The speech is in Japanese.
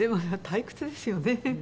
退屈ですよね。